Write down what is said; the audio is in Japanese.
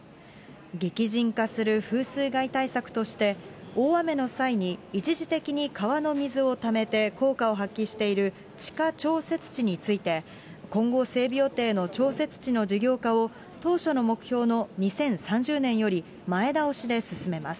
激甚化する風水害対策として、大雨の際に一時的に川の水をためて効果を発揮している、地下調節池について、今後整備予定の調節池の事業化を、当初の目標の２０３０年より前倒しで進めます。